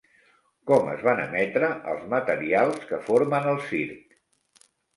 Com es van emetre els materials que formen el circ?